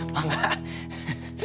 pak gak mau ketemu atu